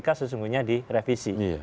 kpk sesungguhnya direvisi